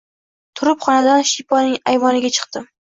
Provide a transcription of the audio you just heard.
Turib, xonadan shiyponning ayvoniga chiqdim